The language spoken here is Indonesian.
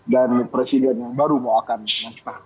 dan presiden yang baru mau akan mengusir